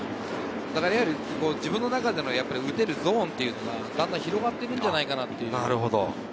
自分の中での打てるゾーンというのが、だんだん広がっているのではないかなと。